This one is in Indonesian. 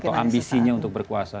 atau ambisinya untuk berkuasa